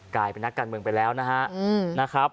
กลายเป็นนักการเมืองไปแล้วนะครับ